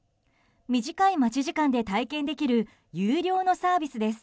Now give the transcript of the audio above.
短い待ち時間で体験できる有料のサービスです。